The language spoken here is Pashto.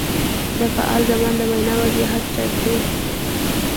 د فعل زمان د وینا وضاحت ټاکي.